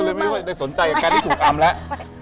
เลยไม่ได้สนใจกับการที่ถูกอำแล้ว